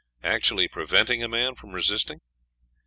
Actually preventing a man from resisting.